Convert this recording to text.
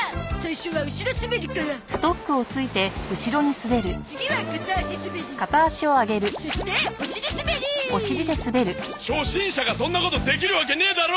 初心者がそんなことできるわけねえだろ！